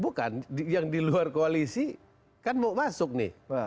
bukan yang di luar koalisi kan mau masuk nih